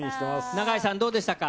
永井さん、どうでしたか？